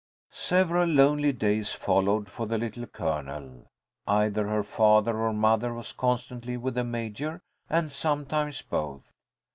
Several lonely days followed for the Little Colonel. Either her father or mother was constantly with the Major, and sometimes both.